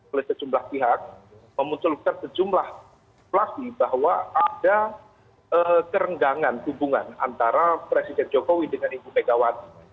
oleh sejumlah pihak memunculkan sejumlah flasi bahwa ada kerenggangan hubungan antara presiden jokowi dengan ibu megawati